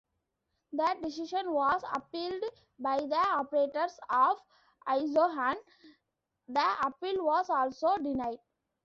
This decision was appealed by the operators of isoHunt; the appeal was also denied.